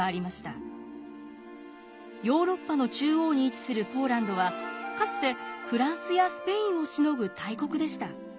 ヨーロッパの中央に位置するポーランドはかつてフランスやスペインをしのぐ大国でした。